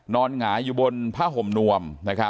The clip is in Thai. หงายอยู่บนผ้าห่มนวม